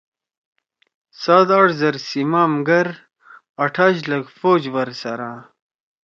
سات آٹ زر سیِمام گر آٹھاش لک پھوج ورسرا